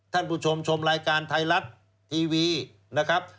ท่านผู้ชมชมรายการไทยรัฐทีวีนะครับ